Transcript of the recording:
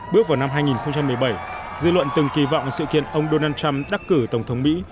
bước vào năm hai nghìn một mươi bảy dư luận từng kỳ vọng sự kiện ông donald trump đắc cử tổng thống mỹ